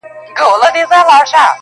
تشي کیسې د تاریخونو کوي!!